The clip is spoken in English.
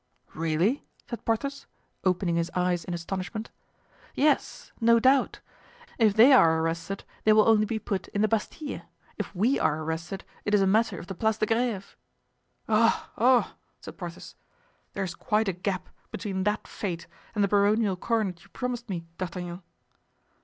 "Really?" said Porthos, opening his eyes in astonishment. "Yes, no doubt. If they are arrested they will only be put in the Bastile; if we are arrested it is a matter of the Place de Greve." "Oh! oh!" said Porthos, "there is quite a gap between that fate and the baronial coronet you promised me, D'Artagnan."